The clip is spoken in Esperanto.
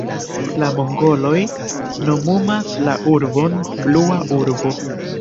La mongoloj nomumas la urbon Blua urbo.